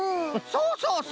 そうそうそう。